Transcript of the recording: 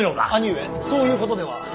兄上そういうことでは。